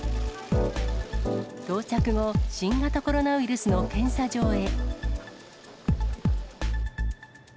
到着後、新型コロナウイルスの検査場へ。